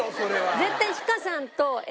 絶対。